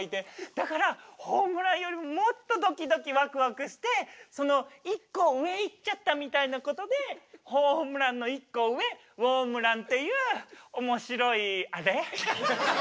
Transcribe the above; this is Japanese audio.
だからホームランよりももっとドキドキワクワクしてその一個上いっちゃったみたいなことでホームランの一個上ウオームランっていうおもしろいあれ？